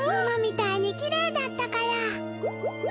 ママみたいにきれいだったから。